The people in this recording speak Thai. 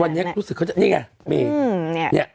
วันนี้รู้สึกเขาจะนี่ไงมี